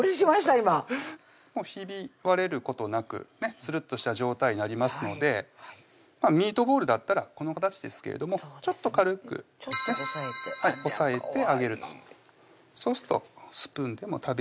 今ひび割れることなくつるっとした状態なりますのでミートボールだったらこの形ですけれどもちょっと軽く押さえてあげるとそうするとスプーンでも食べやすい感じになるかと思います